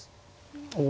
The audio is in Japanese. お。